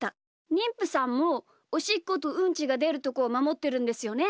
にんぷさんもおしっことうんちがでるとこをまもってるんですよね？